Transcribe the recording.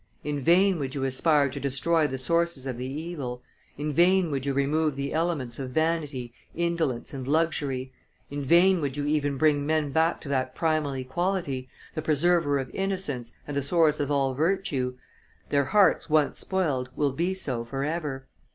In vain would you aspire to destroy the sources of the evil; in vain would you remove the elements of vanity, indolence, and luxury; in vain would you even bring men back to that primal equality, the preserver of innocence and the source of all virtue: their hearts once spoiled will be so forever.